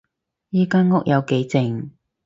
依間屋有幾靜